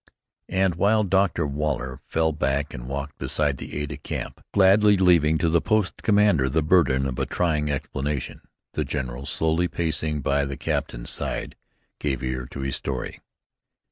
And while Dr. Waller fell back and walked beside the aide de camp, gladly leaving to the post commander the burden of a trying explanation, the general, slowly pacing by the captain's side, gave ear to his story.